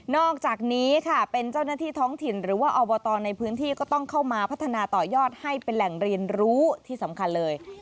อกจากนี้ค่ะเป็นเจ้าหน้าที่ท้องถิ่นหรือว่าอบตในพื้นที่ก็ต้องเข้ามาพัฒนาต่อยอดให้เป็นแหล่งเรียนรู้ที่สำคัญเลย